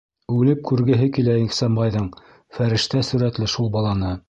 Үлеп күргеһе килә Ихсанбайҙың фәрештә сүрәтле шул баланы!